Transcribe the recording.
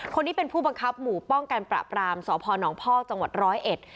คนนี้เป็นผู้บังคับหมู่ป้องกันประปรามสพนพอกจังหวัดร้อยเอ็ด